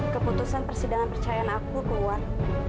keputusan persidangan percayaan aku kuat